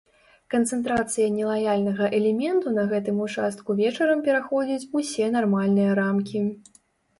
Канцэнтрацыя нелаяльнага элементу на гэтым участку вечарам пераходзіць усе нармальныя рамкі.